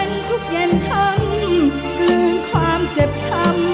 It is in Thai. เป็นทุกเย็นทั้งเกลืองความเจ็บทำ